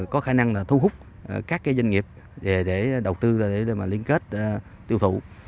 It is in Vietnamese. có khả năng thu hút các doanh nghiệp để đầu tư để liên kết tiêu thụ